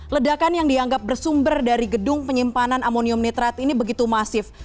ledakan yang dianggap bersumber dari gedung penyimpanan amonium nitrat ini begitu masif